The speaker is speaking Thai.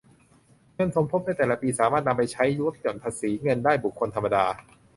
เงินสมทบในแต่ละปีสามารถนำไปใช้ลดหย่อนภาษีเงินได้บุคคลธรรมดา